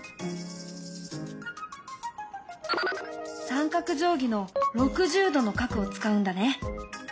三角定規の６０°の角を使うんだね。